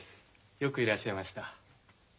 よくいらっしゃいました。